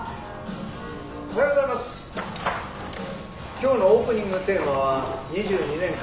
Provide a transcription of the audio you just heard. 今日のオープニングテーマは。